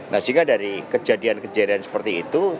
nah sehingga dari kejadian kejadian seperti itu